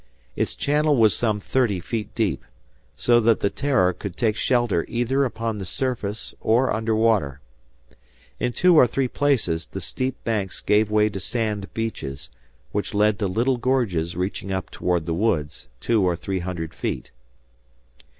Its channel was some thirty feet deep, so that the "Terror" could take shelter either upon the surface or under water. In two or three places the steep banks gave way to sand beaches which led to little gorges reaching up toward the woods, two or three hundred feet.